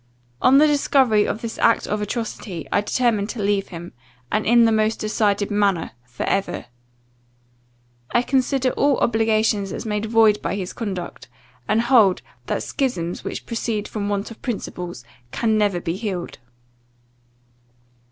On the discovery of this act of atrocity, I determined to leave him, and in the most decided manner, for ever. I consider all obligations as made void by his conduct; and hold, that schisms which proceed from want of principles, can never be healed.